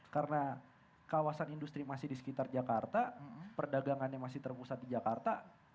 karena kawasan industri masih di sekitar jakarta perdagangannya masih terpusat di jakarta